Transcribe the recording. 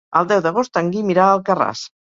El deu d'agost en Guim irà a Alcarràs.